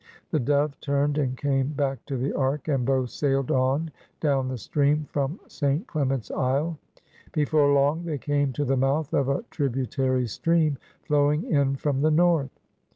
The Dove turned and came back to the Ark, and both sailed on down the stream from St. Clement's Isle. Before long they came to the mouth of a tributary stream flowing in from the north.